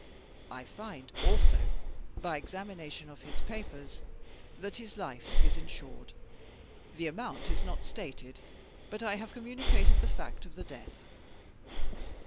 I find also, by examination of his papers, that his life is insured the amount is not stated, but I have communicated the fact of the death.